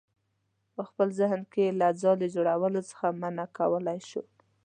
په خپل ذهن کې یې له ځالې جوړولو څخه منع کولی شو.